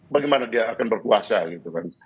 bagaimana dia akan berkuasa gitu kan